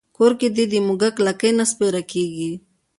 کور کې دې د موږک لکۍ نه سپېره کېږي.